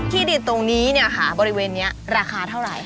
ที่ดินตรงนี้เนี่ยค่ะบริเวณนี้ราคาเท่าไหร่